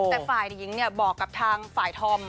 แต่ฝ่ายหญิงบอกกับทางฝ่ายธอม